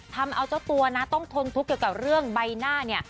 ทำเอาเจ้าตัวนะต้องทนทุกข์เกี่ยวกับเรื่องใบหน้าเนี่ย